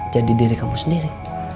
jadi diri kamu sendiri